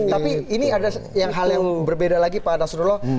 tapi ini ada hal yang berbeda lagi pak nasrullah